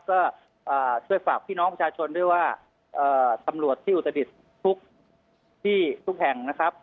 ก็ช่วยฝากพี่น้องประชาชนด้วยว่าตำรวจที่อุตรดิษฐ์ทุกที่ทุกแห่งนะครับ